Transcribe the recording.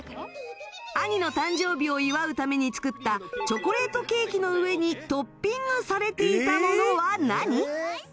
兄の誕生日を祝うために作ったチョコレートケーキの上にトッピングされていたものは何？